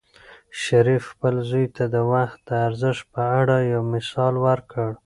شریف خپل زوی ته د وخت د ارزښت په اړه یو مثال ورکړ.